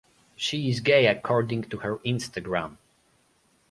She is gay according to her Instagram.